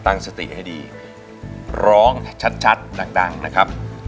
ตั้งสติให้ดีร้องชัดดังนะครับ